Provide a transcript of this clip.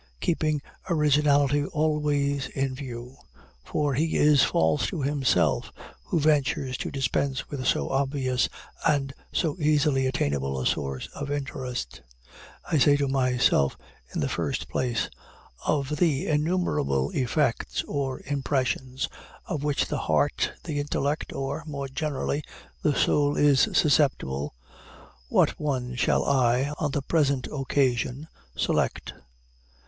Keeping originality always in view for he is false to himself who ventures to dispense with so obvious and so easily attainable a source of interest I say to myself, in the first place, "Of the innumerable effects, or impressions, of which the heart, the intellect, or (more generally) the soul is susceptible, what one shall I, on the present occasion, select?"